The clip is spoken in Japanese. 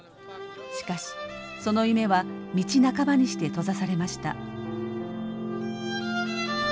しかしその夢は道半ばにして閉ざされました。